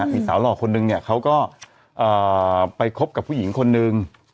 มีสาวหล่อคนนึงเขาก็ไปคบกับผู้หญิงคนนึง